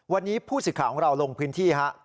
วันนี้ผู้ศิษฐาของเราลงพื้นที่วันนี้คะ